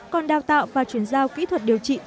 còn đào tạo và chuyển giao kỹ thuật điều trị